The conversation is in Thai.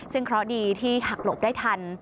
ซึ่งเคราะห์ดีที่หักหลบได้ทัน